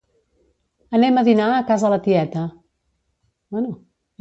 Anem a dinar a casa la tieta